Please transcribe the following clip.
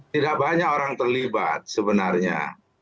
tidak banyak orang terlibat sebenarnya